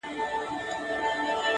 • له منظور پښتین سره -